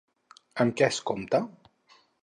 Amb què es compta?